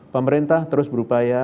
pemerintah terus berupaya